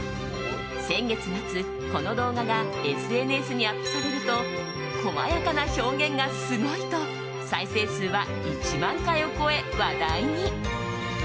先月末、この動画がＳＮＳにアップされると細やかな表現がすごいと再生数は１万回を超え、話題に。